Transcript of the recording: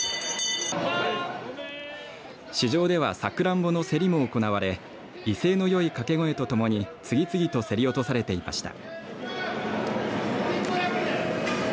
市場では、さくらんぼの競りも行われ威勢のよい掛け声とともに次々と競り落とされていました。